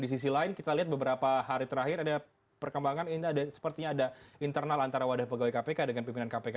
di sisi lain kita lihat beberapa hari terakhir ada perkembangan ini sepertinya ada internal antara wadah pegawai kpk dengan pimpinan kpk